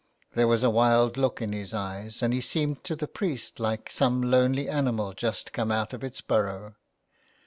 There was a wild look in his eyes, and he seemed to the priest like some lonely animal just come out of its burrow.